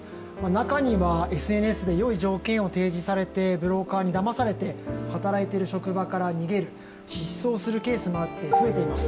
中にはＳＮＳでよい条件を提示されてブローカーにだまされて働いている職場から逃げる、失踪するケースもあって、増えています。